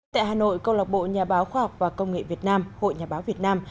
tại hà nội công lọc bộ nhà báo khoa học và công nghệ việt nam hội nhà báo việt nam